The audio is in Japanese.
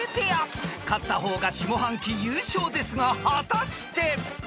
［勝った方が下半期優勝ですが果たして？］